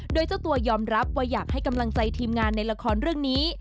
โดยเจ้าตัวยอมรับว่าอยากให้กำลังใจทีมงานในละครเรื่องนี้